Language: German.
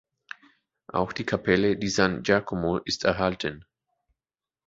Auch die Kapelle di San Giacomo ist erhalten.